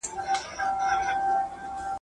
په لستوڼي کي خنجر د رقیب وینم !.